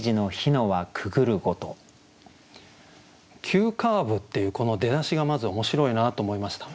「急カーブ」っていうこの出だしがまず面白いなと思いました。